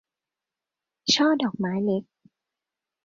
ช่อดอกไม้เล็ก